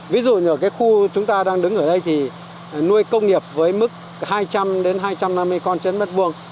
ví dụ như ở cái khu chúng ta đang đứng ở đây thì nuôi công nghiệp với mức hai trăm linh đến hai trăm năm mươi con chấn mất vuông